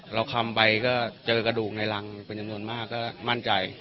คำไปก็เจอกระดูกในรังเป็นจำนวนมากก็มั่นใจ